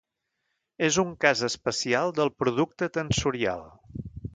És un cas especial del producte tensorial.